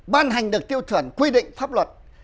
ban hành được tiêu chuẩn quy định pháp luật